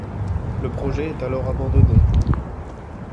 Le projet est alors abandonné.